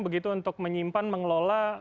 begitu untuk menyimpan mengelola